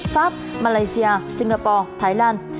pháp malaysia singapore thái lan